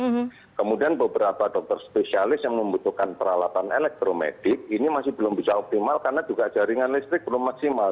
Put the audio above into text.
nah kemudian beberapa dokter spesialis yang membutuhkan peralatan elektromedik ini masih belum bisa optimal karena juga jaringan listrik belum maksimal